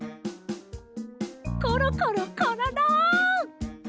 コロコロコロロ！